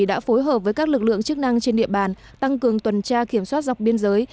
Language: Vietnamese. đã phối hợp với các lực lượng chức năng trên địa bàn tăng cường tuần tra kiểm soát dọc biên giới